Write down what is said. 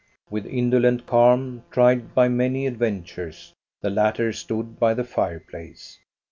With indo lent calm, tried by many adventures, the latter stood by the fireplace.